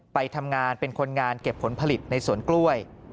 ไปทำงานเป็นคนงานเก็บผลผลิตในสวนกล้วย